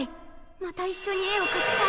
またいっしょに絵を描きたい。